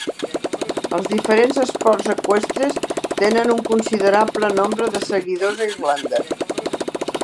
Els diferents esports eqüestres tenen un considerable nombre de seguidors a Irlanda.